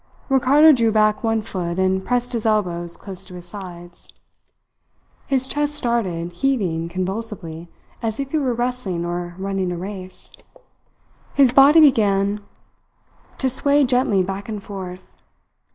Ricardo drew back one foot and pressed his elbows close to his sides; his chest started heaving convulsively as if he were wrestling or running a race; his body began to sway gently back and forth.